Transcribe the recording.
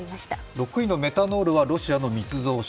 ６位のメタノールはロシアの密造酒。